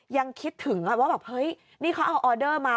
ยังคิดถึงว่าแบบเฮ้ยนี่เขาเอาออเดอร์มา